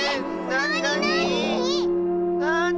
なに？